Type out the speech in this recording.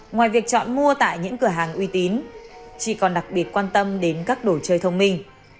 ngoài việc chọn mua tại những cửa hàng uy tín chị còn đặc biệt quan tâm đến các đồ chơi thông minh